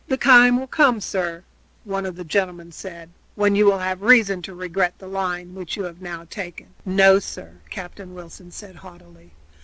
"The time will come, sir," one of the gentlemen said, "when you will have reason to regret the line which you have now taken." "No, sir," Captain Wilson said haughtily.